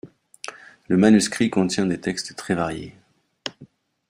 Le manuscrit contient des textes très variés.